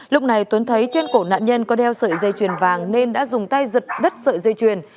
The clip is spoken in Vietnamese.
lúc này tuấn thấy trên cổ nạn nhân có đeo sợi dây chuyền vàng nên đã dùng tay giật đất sợi dây chuyền